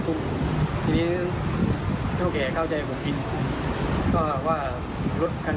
ทีนี้เต้าแก่เข้าใจผมกินก็ว่ารถคันเดาผมรวดว่าผมเอารถคันใหม่ไปส่งน้ำ